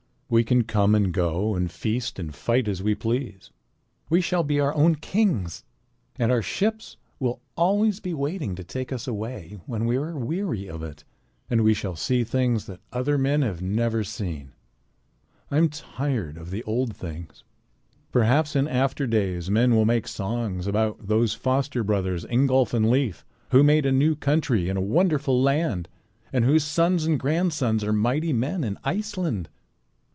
We can come and go and feast and fight as we please. We shall be our own kings. And our ships will be always waiting to take us away, when we are weary of it. And we shall see things that other men have never seen. I am tired of the old things. Perhaps in after days men will make songs about 'those foster brothers, Ingolf and Leif, who made a new country in a wonderful land, and whose sons and grandsons are mighty men in Iceland!'"